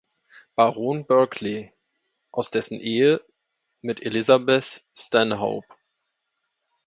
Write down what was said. Baron Berkeley aus dessen Ehe mit Elizabeth Stanhope.